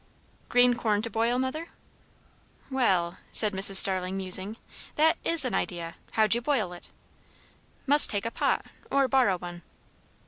"Green corn to boil, mother?" "Well!" said Mrs. Starling, musing, "that is an idea. How'd you boil it?" "Must take a pot or borrow one."